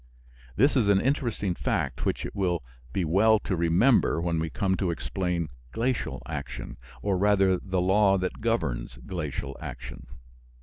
This is an interesting fact which it will be well to remember when we come to explain glacial action, or rather the law that governs glacial action.